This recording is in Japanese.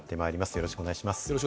よろしくお願いします。